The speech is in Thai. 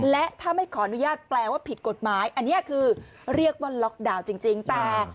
และถ้าไม่ขออนุญาตแปลว่าผิดกฎหมายอันนี้คือเรียกว่าล็อกดาวน์จริงแต่